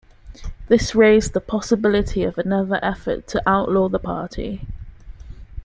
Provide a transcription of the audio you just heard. This raised the possibility of another effort to outlaw the party.